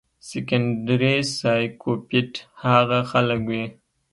سيکنډري سائکوپېت هاغه خلک وي